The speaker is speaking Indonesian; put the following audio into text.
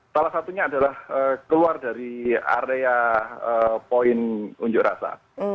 salah satunya adalah keluar dari area poin unjuk rasa